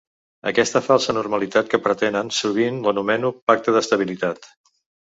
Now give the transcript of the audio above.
Aquesta falsa normalitat que pretenen, sovint l’anomeno “pacte d’estabilitat”.